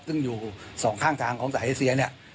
ซึ่งอยู่สองข้างทางของสายเอเซียเนี่ย